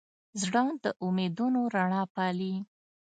زړه د امیدونو رڼا پالي.